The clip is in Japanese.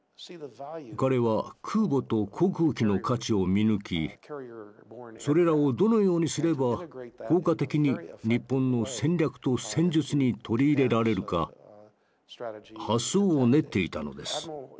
彼は空母と航空機の価値を見抜きそれらをどのようにすれば効果的に日本の戦略と戦術に取り入れられるか発想を練っていたのです。